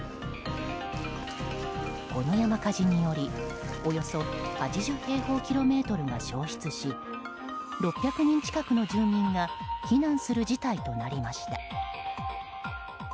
この山火事によりおよそ８０平方キロメートルが焼失し６００人近くの住民が避難する事態となりました。